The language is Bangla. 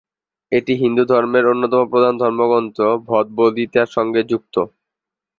এটি হিন্দুধর্মের অন্যতম প্রধান ধর্মগ্রন্থ "ভগবদ্গীতা"-র সঙ্গে যুক্ত।